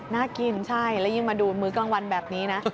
น่ากินใช่แล้วยิ่งมาดูมื้อกลางวันแบบนี้นะ